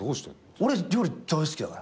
俺料理大好きだから。